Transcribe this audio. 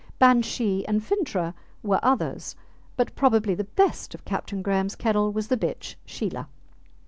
Banshee and Fintragh were others, but probably the best of Captain Graham's kennel was the bitch Sheelah.